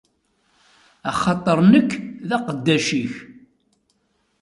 Axaṭer nekk, d aqeddac-ik.